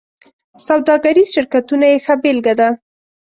سوداګریز شرکتونه یې ښه بېلګه ده.